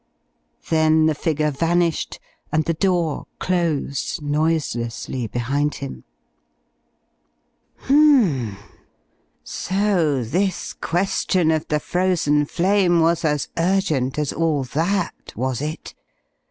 Then the figure vanished and the door closed noiselessly behind him. Hmm. So this question of the Frozen Flame was as urgent as all that, was it?